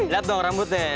liat dong rambutnya